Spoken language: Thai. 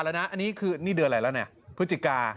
อันนี้คือเดือนไหว้แล้วนี่พฤตจิกา